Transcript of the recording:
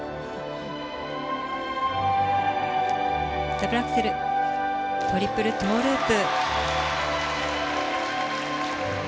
ダブルアクセルトリプルトウループ。